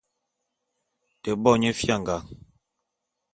Te bo nye fianga.